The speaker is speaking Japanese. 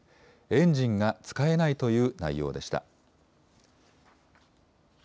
エンジンが使えないという内容でした。